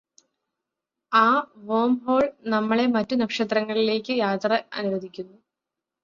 ആ wormhole നമ്മളെ മറ്റു നക്ഷത്രങ്ങളിലേക്ക് യാത്ര അനുവദിക്കുന്നു